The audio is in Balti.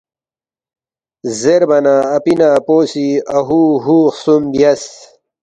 زیربا نہ اپی نہ اپو سی اہُو ھوُ خسُوم بیاس